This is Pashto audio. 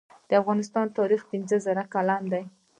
د افغانستان تاریخ پنځه زره کلن دی